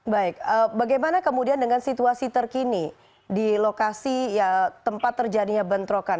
baik bagaimana kemudian dengan situasi terkini di lokasi tempat terjadinya bentrokan